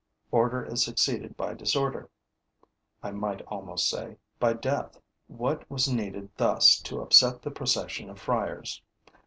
Order is succeeded by disorder, I might almost say, by death. What was needed thus to upset the procession of friars?